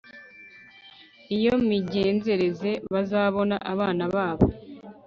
iyo migenzereze bazabona abana babo